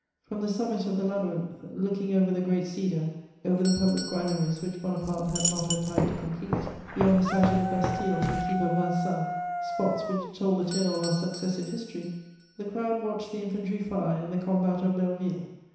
From the summit of the labyrinth, looking over the great cedar, over the public granaries which Bonaparte had not had time to complete, beyond the site of the Bastille and the keep of Vincennes (spots which told the tale of our successive history), the crowd watched the infantry fire in the combat of Belleville.